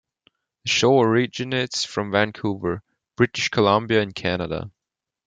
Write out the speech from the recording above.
The show originates from Vancouver, British Columbia in Canada.